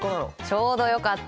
ちょうどよかった。